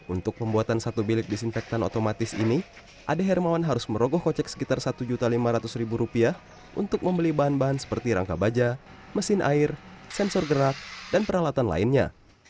untuk pembuatan satu bilik disinfektan otomatis ini ade hermawan harus merogoh kocek sekitar satu lima ratus untuk membeli bahan bahan seperti rangka baja mesin air sensor gerak dan peralatan lainnya